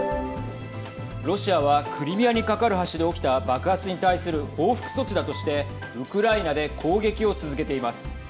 ロシアはクリミアに架かる橋で起きた爆発に対する報復措置だとしてウクライナで攻撃を続けています。